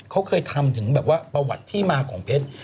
เขาเคยทำถึงแบบว่าประวัติที่มาของเพชร